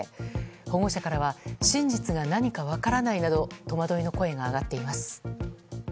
保護者からは真実が何か分からないなど戸惑いの声が上がっています。